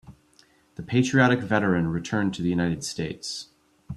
The patriotic veteran returned to the United States.